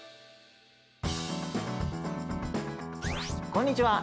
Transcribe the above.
こんにちは。